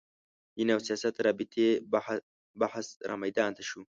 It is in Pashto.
دین او سیاست رابطې بحث رامیدان ته شو